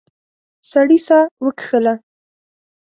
سړی ساه وکیښله.